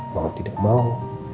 mau tidak mau